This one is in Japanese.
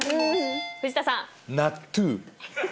藤田さん。